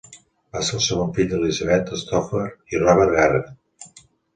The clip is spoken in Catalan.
Va ser el segon fill d'Elizabeth Stouffer i Robert Garrett.